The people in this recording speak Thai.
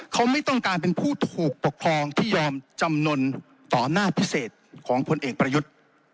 เขาไม่ต้องการเป็นผู้ถูกปกครองที่ยอมจำนวนต่อหน้าพิเศษของพลเอกประยุทธ์